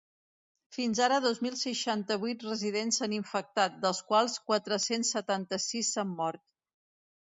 Fins ara dos mil seixanta-vuit residents s’han infectat, dels quals quatre-cents setanta-sis s’han mort.